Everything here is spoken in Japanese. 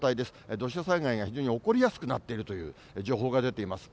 土砂災害が非常に起こりやすくなっているという情報が出ています。